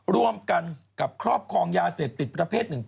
ร่วมกันกับครอบครองยาเสพติดประเภทหนึ่ง